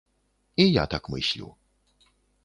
І я так мыслю.